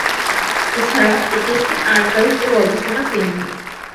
এছাড়া এটি একটি আর্কাইভ ও গবেষণা কেন্দ্র।